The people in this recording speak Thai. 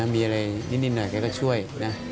มีอะไรนิดหน่อยแกก็ช่วยนะ